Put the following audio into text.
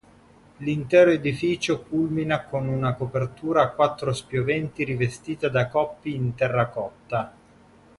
L'intero edificio culmina con una copertura a quattro spioventi rivestita da coppi in terracotta.